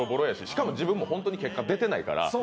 しかも自分も結果出てないから。